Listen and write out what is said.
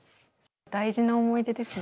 大事な思い出ですね。